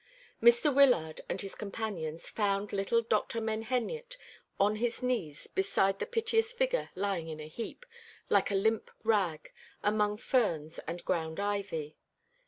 Mr. Wyllard and his companions found little Dr. Menheniot on his knees beside the piteous figure lying in a heap, like a limp rag, among ferns and ground ivy.